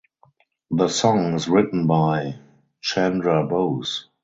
The song is written by Chandrabose.